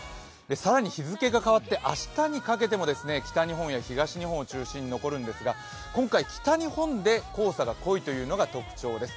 更に日付が変わって明日にかけても北日本や東日本を中心に残るんですが今回、北日本で黄砂が濃いというのが特徴です。